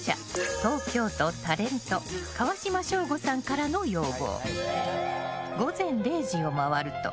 東京都、タレント川島省吾さんからの要望。